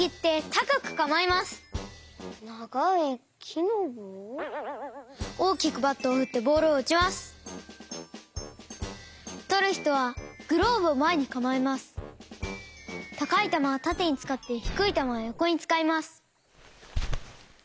たかいたまはたてにつかってひくいたまはよこにつかいます。